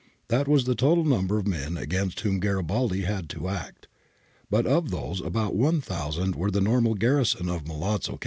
That was the total number of men against whom Garibaldi had to act. But of those about 1000 were the normal garrison of Milazzo Castle {viz.